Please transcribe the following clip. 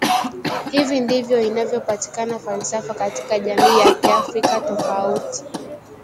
Hivi ndivyo inavyopatikana falsafa katika jamii za kiafrika tofauti